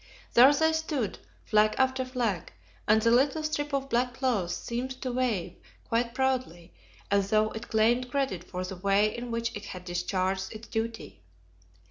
There they stood, flag after flag, and the little strip of black cloth seemed to wave quite proudly, as though it claimed credit for the way in which it had discharged its duty.